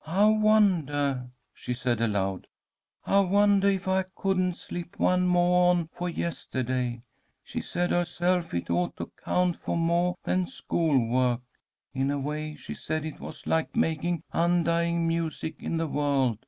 "I wondah," she said aloud, "I wondah if I couldn't slip one moah on for yestahday. She said herself that it ought to count for moah than school work. In a way she said it was like making 'undying music in the world.'